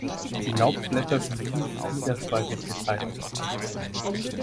Die Laubblätter sind tief fiederspaltig geteilt.